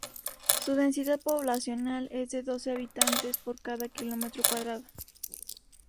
Su densidad poblacional es de doce habitantes por cada kilómetro cuadrado.